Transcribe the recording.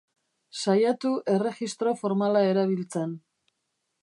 Saiatu erregistro formala erabiltzen.